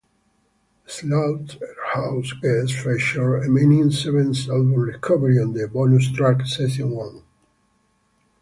Slaughterhouse guest featured Eminem's seventh album "Recovery" on the bonus track "Session One".